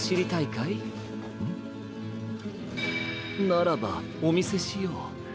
ならばおみせしよう。